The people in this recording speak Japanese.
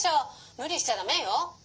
むりしちゃダメよ。